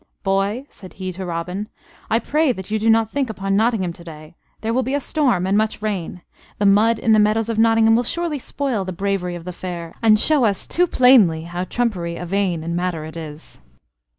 "Boy," said he to Robin, "I pray that you do not think upon Nottingham to day. There will be a storm and much rain. The mud in the meadows of Nottingham will surely spoil the bravery of the Fair, and show us too plainly how trumpery and vain a matter it is."